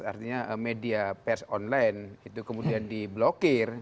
artinya media pers online itu kemudian diblokir